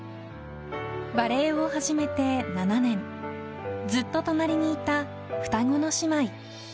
バレーを始めて７年ずっと隣にいた双子の姉妹。